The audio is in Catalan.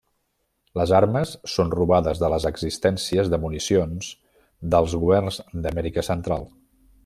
Les armes són robades de les existències de municions dels governs d'Amèrica Central.